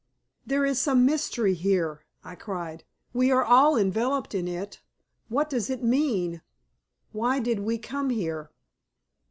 "There is some mystery, here," I cried. "We are all enveloped in it. What does it mean? Why did we come here?"